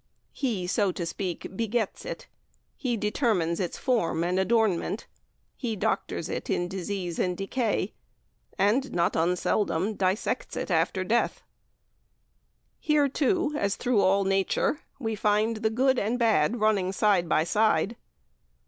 He, so to speak, begets it; he determines its form and adornment, he doctors it in disease and decay, and, not unseldom, dissects it after death. Here, too, as through all Nature, we find the good and bad running side by side.